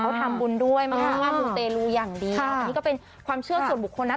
เอ่อเค้าทำบุญด้วยมากปลูกเตรลูอย่างดีนี่ก็เป็นความเชื่อส่วนบุคคลนะ